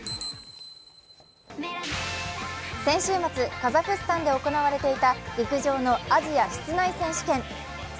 先週末、カザフスタンで行われていた陸上のアジア室内選手権。